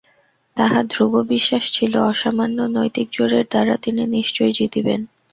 তাঁহার ধ্রুব বিশ্বাস ছিল অসামান্য নৈতিক জোরের দ্বারা তিনি নিশ্চয়ই জিতিবেন।